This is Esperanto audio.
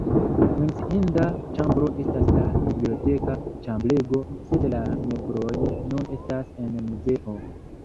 Menciinda ĉambro estas la biblioteka ĉambrego, sed la mebloj nun estas en muzeo.